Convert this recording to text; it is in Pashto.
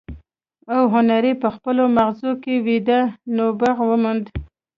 او هنري په خپلو ماغزو کې ويده نبوغ وموند.